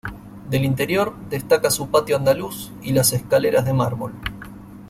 Del interior destaca su patio andaluz y las escaleras de mármol.